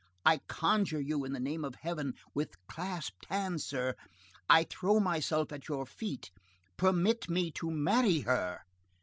I conjure you in the name of Heaven, with clasped hands, sir, I throw myself at your feet, permit me to marry her!"